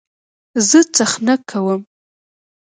زه څخنک کوم.